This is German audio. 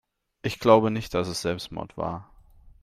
Ich glaube nicht, dass es Selbstmord war.